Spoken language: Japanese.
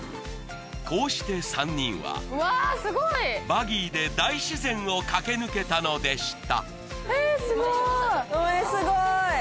こうして３人はバギーで大自然を駆け抜けたのでした